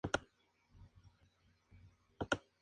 Tienen un extraordinario olfato para llegar a nueces.